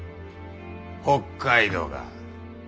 北海道か。